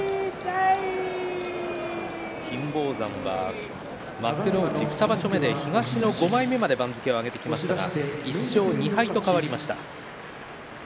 金峰山は幕内２場所で東の５枚目まで上げてきましたけども１勝２敗と変わりました。